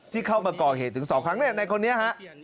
ที่เข้ามาก่อเหตุถึง๒ครั้งในคนนี้ฮะ